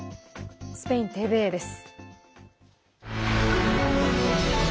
スペインＴＶＥです。